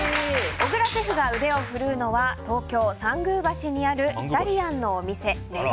小倉シェフが腕を振るうのは東京・参宮橋にあるイタリアンのお店Ｒｅｇａｌｏ。